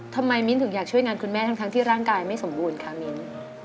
มิ้นถึงอยากช่วยงานคุณแม่ทั้งที่ร่างกายไม่สมบูรณ์คะมิ้น